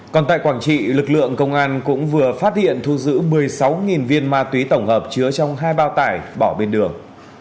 còn tại quảng trị lực lượng công an cũng vừa phát hiện thu giữ một mươi sáu viên ma túy tổng hợp chứa trong hai bao tải bỏ bên đường